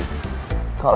gue udah selesai